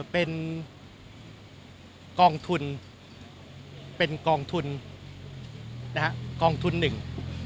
เป็นกองทุนเป็นกองทุนนะฮะกองทุนหนึ่ง